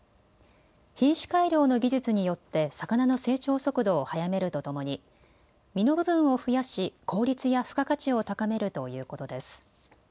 品種改良の技術によって魚の成長速度を早めるとともに身の部分を増やし効率や付加価値を高めるということです。